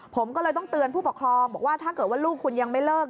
ผมก็เลยต้องเตือนผู้ปกครองบอกว่าถ้าเกิดว่าลูกคุณยังไม่เลิก